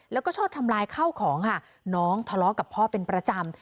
แล้วก็ชอบทำลายข้าวของค่ะน้องทะเลาะกับพ่อเป็นประจำ